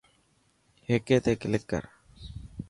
هيڪي تي ڪلڪ ڪر.